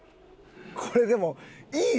これでも。